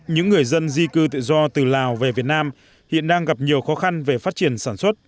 những người dân di cư tự do từ lào về việt nam hiện đang gặp nhiều khó khăn về phát triển sản xuất